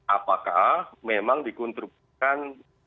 apakah memang dikontruksikan